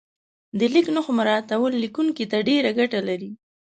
د لیک نښو مراعاتول لیکونکي ته ډېره ګټه لري.